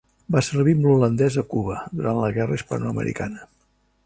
Va servir amb l'Holandès a Cuba durant la guerra hispanoamericana.